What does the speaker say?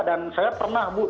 dan saya pernah bu